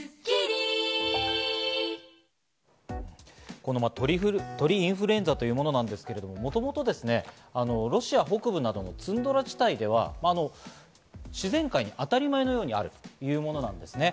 この鳥インフルエンザというものですけれど、もともとロシア北部などのツンドラ地帯では自然界に当たり前のようにあるというものです。